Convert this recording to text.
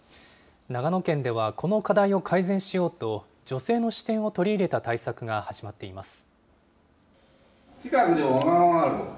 長野県ではこの課題を改善しようと、女性の視点を取り入れた対策が始まっています。